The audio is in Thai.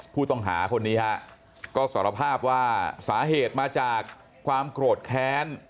ผู้ต้องหาคนนี้ฮะก็สารภาพว่าสาเหตุมาจากความโกรธแค้น